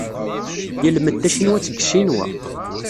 Yelmed tacinwat deg Ccinwa.